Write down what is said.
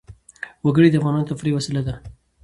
وګړي د افغانانو د تفریح یوه وسیله ده.